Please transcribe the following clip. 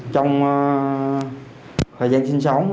trong thời gian sinh sống